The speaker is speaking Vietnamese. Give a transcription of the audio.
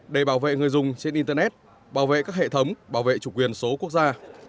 để bảo vệ người dùng trên internet bảo vệ các hệ thống bảo vệ chủ quyền số quốc gia